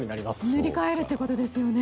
塗り替えるということですね。